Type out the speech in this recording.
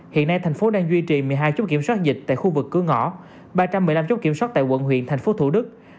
hiện nay tp hcm đang duy trì một mươi hai chốt kiểm soát dịch tại khu vực cứa ngõ ba trăm một mươi năm chốt kiểm soát tại quận huyện tp hcm